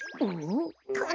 ん？